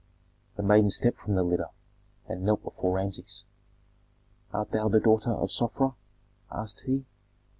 The maiden stepped from the litter and knelt before Rameses. "Art thou the daughter of Sofra?" asked he.